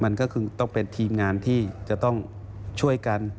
มันก็คือต้องเป็นทีมงานที่จะต้องช่วยกัน